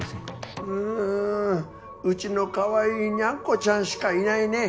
うんうちのカワイイニャンコちゃんしかいないねえ